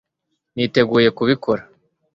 niteguye kubikora